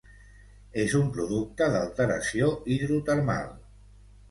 És un producte d'alteració hidrotermal.